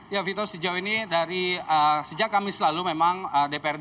ya vito sejauh ini dari sejak kami selalu memang dprd dki jakarta